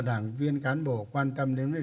đảng viên cán bộ quan tâm đến